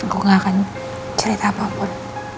gue gak akan cerita apapun